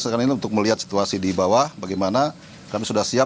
sekarang ini untuk melihat situasi di bawah bagaimana kami sudah siap